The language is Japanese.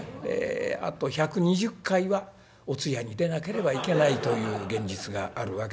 あと１２０回はお通夜に出なければいけないという現実があるわけでございまして。